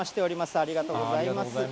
ありがとうございます。